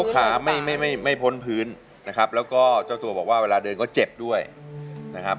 ขาไม่ไม่พ้นพื้นนะครับแล้วก็เจ้าตัวบอกว่าเวลาเดินก็เจ็บด้วยนะครับ